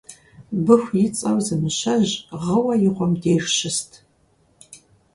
Быху ицӀэу зы мыщэжь гъыуэ и гъуэм деж щыст